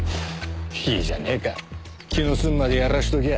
いいじゃねえか気の済むまでやらしときゃ。